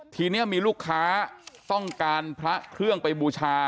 ทีนี้มีลูกค้าต้องการพระเครื่องไปบูชา